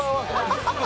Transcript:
ハハハハ！